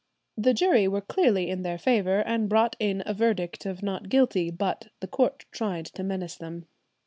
The jury were clearly in their favour, and brought in a verdict of not guilty, but the court tried to menace them.